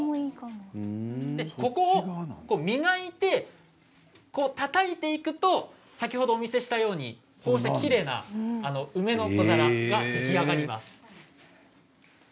ここを磨いて、たたいていくと先ほどお見せしたようにきれいな梅のお皿が出来上がります。